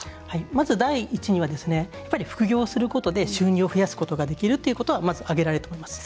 まず、第一には副業をすることで収入を増やすことができるっていうことはまず挙げられると思います。